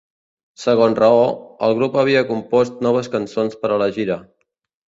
Segons raó, el grup havia compost noves cançons per a la gira.